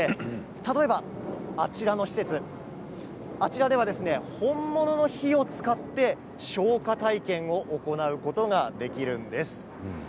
例えば、あちらの施設あちらでは本物の火を使って消火体験を行うことができるんです。